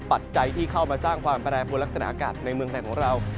ปัจจัยที่เข้ามาสร้างความแปรปวดลักษณะอากาศในเมืองไทยของเรา